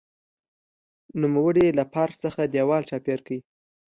نوموړي له پارک څخه دېوال چاپېر کړ.